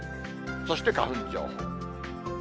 そして花粉情報。